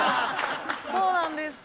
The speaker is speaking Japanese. そうなんですか。